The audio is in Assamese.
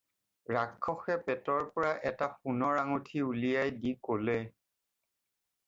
ৰাক্ষসে পেটৰ পৰা এটা সোণৰ আঙঠি উলিয়াই দি ক'লে